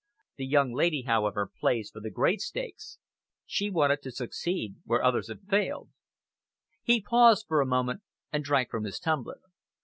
The young lady, however, plays for the great stakes, She wanted to succeed where others have failed." He paused for a moment, and drank from his tumbler.